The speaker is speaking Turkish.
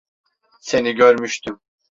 Seni görmüştüm.